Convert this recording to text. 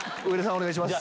お願いします。